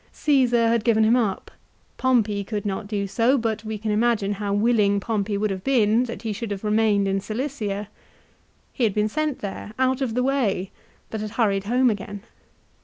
Caesar had given him up. Pompey could not do so, but we can imagine how willing Pompey would have been that he should have remained in Cilicia. He had been sent there, out of the way, but had hurried home again.